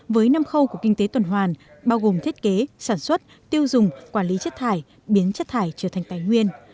với năm khâu của kinh tế tuần hoàn bao gồm thiết kế sản xuất tiêu dùng quản lý chất thải biến chất thải trở thành tài nguyên